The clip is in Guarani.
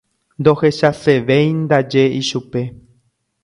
Ndohechasevéindaje ichupe.